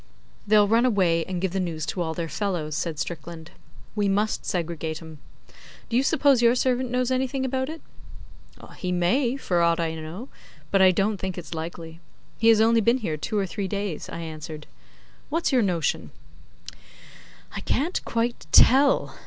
'They'll run away and give the news to all their fellows,' said Strickland. 'We must segregate 'em. Do you suppose your servant knows anything about it?' 'He may, for aught I know; but I don't think it's likely. He has only been here two or three days,' I answered. 'What's your notion?' 'I can't quite tell.